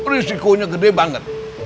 risikonya gede banget